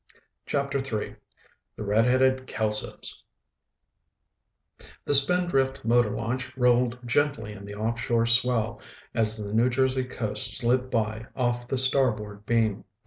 CHAPTER III The Redheaded Kelsos The Spindrift motor launch rolled gently in the offshore swell as the New Jersey coast slid by off the starboard beam.